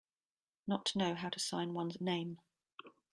Not to know how to sign one's name.